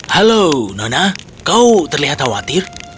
halo nona kau terlihat khawatir